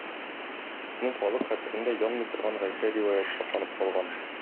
Безнең халык хәтерендә янмый торган Гайшә риваяте сакланып калган.